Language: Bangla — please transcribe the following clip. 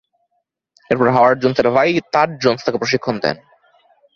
এরপর হাওয়ার্ড জোন্সের ভাই তাড জোন্স তাঁকে প্রশিক্ষণ দেন।